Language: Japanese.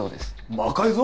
魔改造？